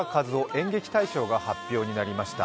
演劇大賞が発表になりました。